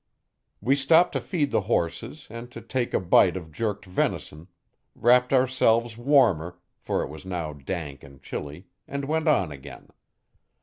We stopped to feed the horses and to take a bite of jerked venison, wrapped ourselves warmer, for it was now dunk and chilly, and went on again.